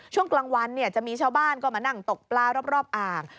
ช่วงกลางวันจะมีชาวบ้านก็มานั่งตกปลารอบอ่าง